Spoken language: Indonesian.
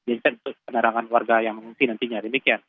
untuk penarangan warga yang mengungkir nantinya demikian